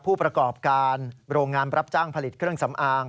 ผู้ประกอบการโรงงานรับจ้างผลิตเครื่องสำอาง